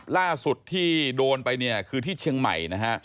ล่าสุดที่โดนไปคือที่เชียงใหม่